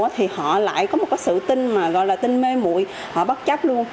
thì họ lại có một cái sự tin mà gọi là tin mê mụi họ bất chấp luôn